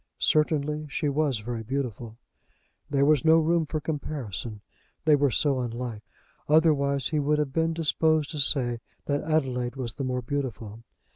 Certainly, she was very beautiful. There was no room for comparison, they were so unlike; otherwise, he would have been disposed to say that Adelaide was the more beautiful.